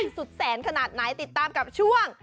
สุดแสนขนาดไหนติดตามกับช่วง